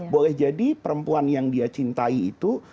boleh jadi perempuan yang dia cintai itu